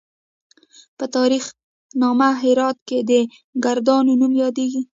په تاریخ نامه هرات کې د کردانو نوم یادیږي.